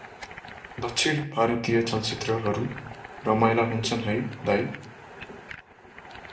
दक्षिण भारतिय चलचित्र हरु रमाइला हुन्छन है दाइ?